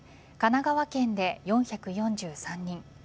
神奈川県で４４３人